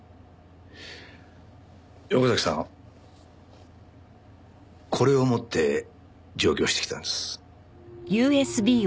横崎さんこれを持って上京してきたんです。